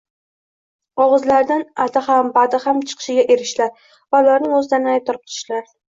og‘izlaridan “adi” ham, “badi” ham chiqishiga erishdilar va ularning o‘zlarini aybdor qilishdilar.